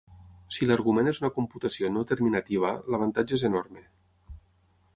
Si l'argument és una computació no terminativa, l'avantatge és enorme.